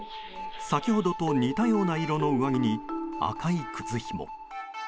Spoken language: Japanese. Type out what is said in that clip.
先ほどと似たような色の上着に赤い靴ひも。